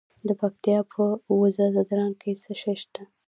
د پکتیا په وزه ځدراڼ کې څه شی شته؟